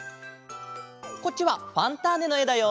こっちは「ファンターネ！」のえだよ。